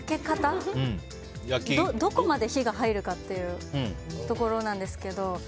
どこまで火が入るかというところなんですけど。